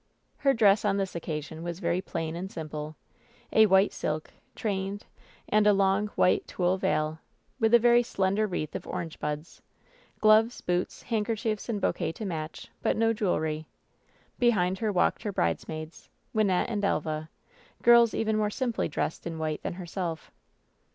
Her dress on this occasion was very plain and simple — a white silk, trained, and a long, white tulle veil, with a very slender wreath of orange buds, gloves, boots, handkerchiefs and bouquet to match, but no jewelry. Behind her walked her bridesmaids, Wynnette and Elva, girls even more simply dressed in white than herself.